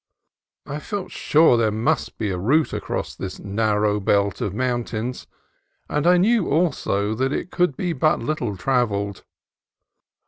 I felt sure there must be a route across this narrow belt of mountains, and I knew also that it could be but little travelled.